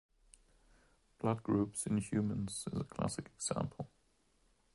Blood groups in humans is a classic example.